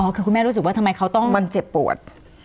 คือคุณแม่รู้สึกว่าทำไมเขาต้องมันเจ็บปวด